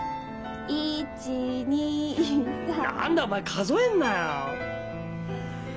何だお前数えんなよ！